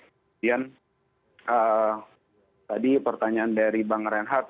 kemudian tadi pertanyaan dari bang reinhardt